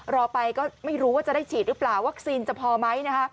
รอไปก็ไม่รู้ว่าจะได้ฉีดหรือเปล่าวัคซีนจะพอไหมนะคะ